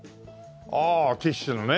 ああティッシュのね。